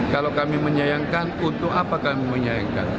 kalau kami menyayangkan untuk apa kami menyayangkan